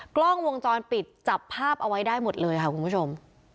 กล้องวงจรปิดจับภาพเอาไว้ได้หมดเลยค่ะคุณผู้ชม